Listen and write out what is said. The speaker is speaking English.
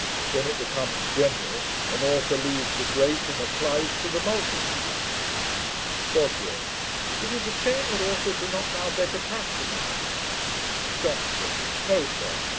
When it becomes general, an author leaves the great, and applies to the multitude.' BOSWELL. 'It is a shame that authors are not now better patronized.' JOHNSON. 'No, sir.